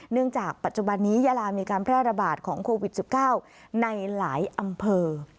จากปัจจุบันนี้ยาลามีการแพร่ระบาดของโควิด๑๙ในหลายอำเภอ